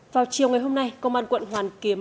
vào chiều ngày hôm nay công an quận hoàn kiếm